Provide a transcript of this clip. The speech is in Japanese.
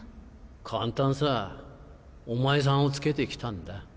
簡単さお前さんをつけて来たんだ。